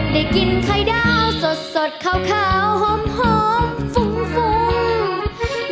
ได้กินไข่ดาวสดสดขาวขาวหอมหอมฟุ้งฟุ้ง